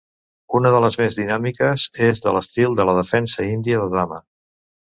Una de les més dinàmiques és de l'estil de la Defensa Índia de Dama.